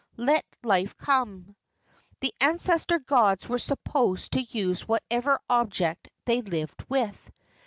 Let life come." The ancestor gods were supposed to use whatever object they lived with.